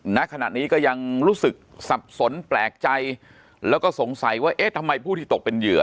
ณขณะนี้ก็ยังรู้สึกสับสนแปลกใจแล้วก็สงสัยว่าเอ๊ะทำไมผู้ที่ตกเป็นเหยื่อ